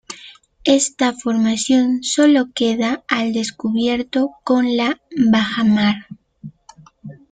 Esta formación sólo queda al descubierto con la bajamar.